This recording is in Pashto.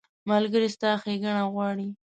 ملګری ستا ښېګڼه غواړي.